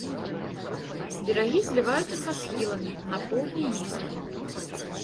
Берагі зліваюцца са схіламі, на поўдні нізкія.